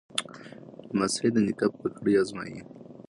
لمسی د نیکه پګړۍ ازمایي.